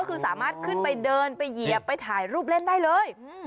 ก็คือสามารถขึ้นไปเดินไปเหยียบไปถ่ายรูปเล่นได้เลย